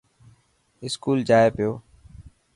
اسڪول جائي پيو.